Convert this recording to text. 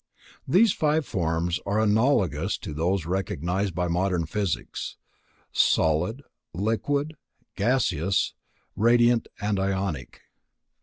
These five forms are analogous to those recognized by modern physics: solid, liquid, gaseous, radiant and ionic.